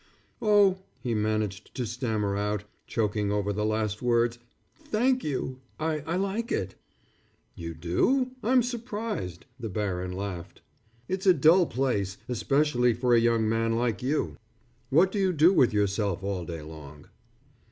"Oh," he managed to stammer out, choking over the last words, "thank you. I I like it." "You do? I'm surprised," the baron laughed. "It's a dull place, especially for a young man like you. What do you do with yourself all day long?"